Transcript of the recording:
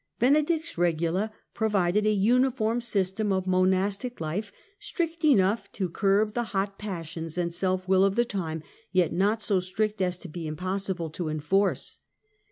Benedict's Regula provided a uniform system of monastic life, strict enough to curb the hot passions and self will of the time, yet not so strict as to be impossible to enforce.